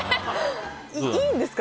いいんですか？